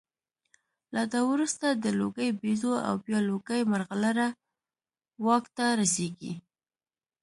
له ده وروسته د لوګي بیزو او بیا لوګي مرغلره واک ته رسېږي